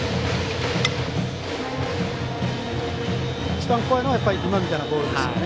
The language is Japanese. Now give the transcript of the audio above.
一番怖いのは今みたいなボールですね。